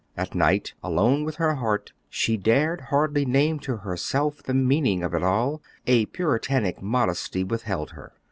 At night, alone with her heart, she dared hardly name to herself the meaning of it all, a puritanic modesty withheld her.